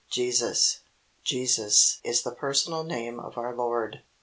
JESUS Jesus is the personal name of our Lord.